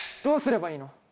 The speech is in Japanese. どうすればいいの？